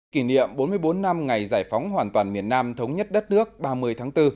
kỷ niệm bốn mươi bốn năm ngày giải phóng hoàn toàn miền nam thống nhất đất nước ba mươi tháng bốn